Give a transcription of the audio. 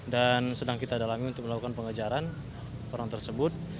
dan sedang kita dalami untuk melakukan pengejaran orang tersebut